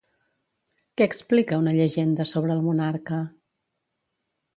Què explica una llegenda sobre el monarca?